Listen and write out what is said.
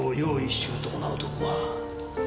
周到な男が。